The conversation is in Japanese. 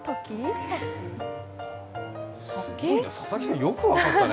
佐々木さん、よく分かったね。